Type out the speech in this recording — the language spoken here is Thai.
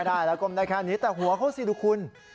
ได้แล้วก้มได้แค่นี้แต่หัวเขาสิดูคุณ